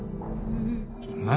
ちょっと何？